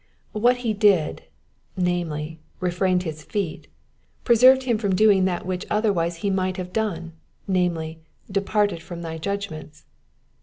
What he did, namely, refrained his feet," preserved him from doing that which otherwise he might have done, namely, •* departed from thy judgments."